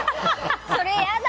それ嫌だ。